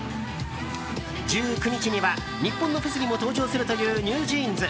１９日には日本のフェスにも登場するというＮｅｗＪｅａｎｓ。